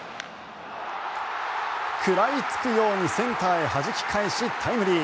食らいつくようにセンターへはじき返しタイムリー。